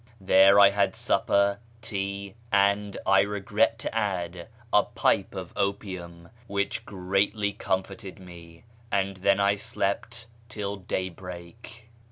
There I had supper, tea, and — I regret to add — a pipe of opium, which greatly comforted me ; and then I slept till daybreak.